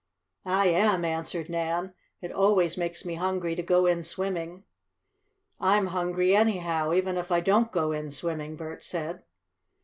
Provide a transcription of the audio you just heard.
"I am," answered Nan. "It always makes me hungry to go in swimming." "I'm hungry anyhow, even if I don't go in swimming," Bert said.